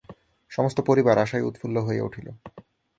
সমস্ত পরিবার আশায় উৎফুল্ল হইয়া উঠিল।